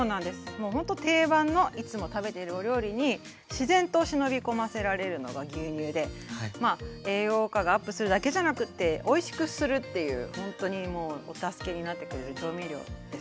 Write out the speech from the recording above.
もうほんと定番のいつも食べているお料理に自然と忍び込ませられるのが牛乳で栄養価がアップするだけじゃなくておいしくするっていうほんとにもうお助けになってくれる調味料です。